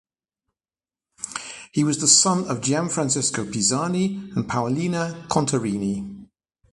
He was the son of Gianfrancesco Pisani and Paolina Contarini.